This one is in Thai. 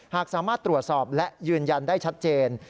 หากสามารถตรวจสอบและยืนยันได้ชัดเจน